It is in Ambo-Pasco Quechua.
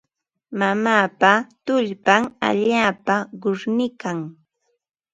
Mamaapa tullpan allaapa qushniikan.